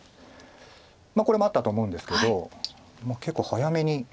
まあこれもあったと思うんですけど結構早めに。